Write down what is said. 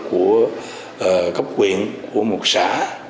của cấp quyền của một xã